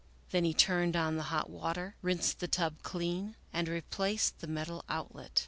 Then he turned on the hot water, rinsed the tub clean, and replaced the metal outlet.